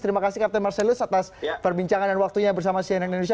terima kasih captain marcelus atas perbincangan dan waktunya bersama cnn indonesia